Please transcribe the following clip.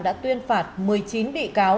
đã tuyên phạt một mươi chín bị cáo